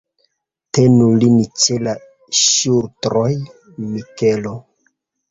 Tenu lin ĉe la ŝultroj, Mikelo.